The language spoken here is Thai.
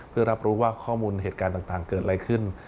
เพื่อรับรู้ว่าข้อมูลเหตุการณ์ต่างเกิดอะไรขึ้น